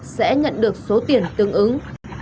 sẽ nhận được số tiền tương ứng